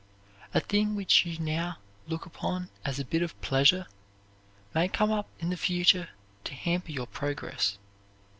A thing which you now look upon as a bit of pleasure may come up in the future to hamper your progress.